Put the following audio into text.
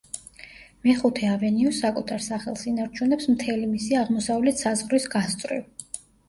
მეხუთე ავენიუ საკუთარ სახელს ინარჩუნებს მთელი მისი აღმოსავლეთ საზღვრის გასწვრივ.